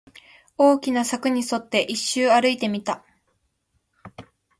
大きな柵に沿って、一周歩いてみた